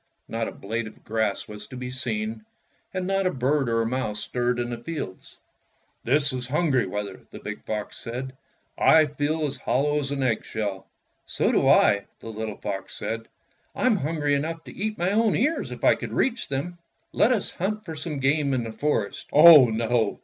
Not a blade of grass was to be seen, and not a bird or a mouse stirred in the fields. ''This is hungry weather," the big fox said. "I feel as hollow as an eggshell." "So do I," the little fox said. "I'm hungry enough to eat my own ears if I could reach them. Let us hunt for game in the forest." "Oh, no!"